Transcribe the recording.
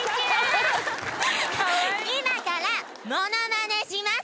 今からモノマネします！